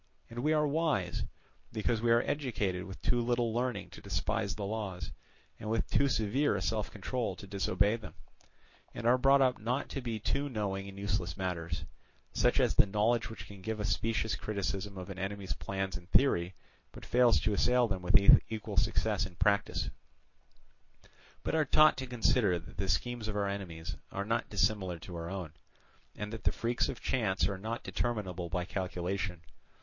And we are wise, because we are educated with too little learning to despise the laws, and with too severe a self control to disobey them, and are brought up not to be too knowing in useless matters—such as the knowledge which can give a specious criticism of an enemy's plans in theory, but fails to assail them with equal success in practice—but are taught to consider that the schemes of our enemies are not dissimilar to our own, and that the freaks of chance are not determinable by calculation.